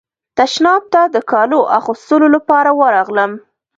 تشناب ته د کالو اغوستلو لپاره ورغلم.